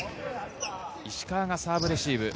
石川がサーブレシーブ。